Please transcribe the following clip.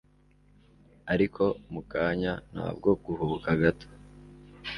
Ariko mu kanya ntabwo guhubuka gato